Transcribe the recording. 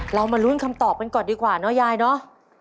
มาลุ้นคำตอบกันก่อนดีกว่าเนอะยายเนอะ